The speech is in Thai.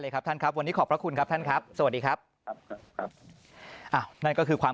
ขอบคุณขอบคุณต่างประชาชนร่วมหน้าเลยครับ